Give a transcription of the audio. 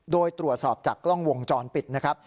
โดยตรวจสอบจากกล้องวงจรปิดนะครับ